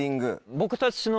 僕たちの。